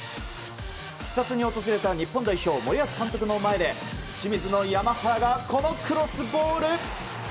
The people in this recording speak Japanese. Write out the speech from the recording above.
視察に訪れた日本代表森保監督の前で清水の山原がこのクロスボール！